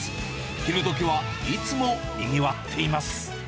昼どきはいつもにぎわっています。